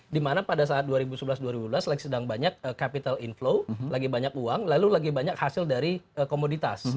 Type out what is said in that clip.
dimana pada saat dua ribu sebelas dua ribu dua belas lagi sedang banyak capital inflow lagi banyak uang lalu lagi banyak hasil dari komoditas